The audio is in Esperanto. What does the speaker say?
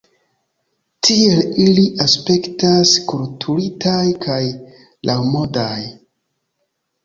Tiel ili aspektas kulturitaj kaj laŭmodaj.